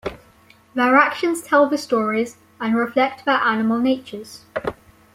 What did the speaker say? Their actions tell the stories, and reflect their animal natures.